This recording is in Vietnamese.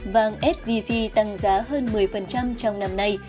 vàng sgc tăng giá hơn một mươi trong năm nay